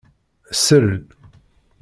Sel!